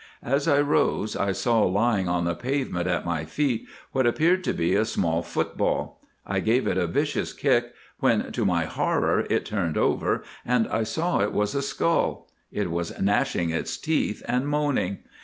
As I rose I saw lying on the pavement at my feet what appeared to be a small football. I gave it a vicious kick, when to my horror it turned over and I saw it was a skull. It was gnashing its teeth and moaning.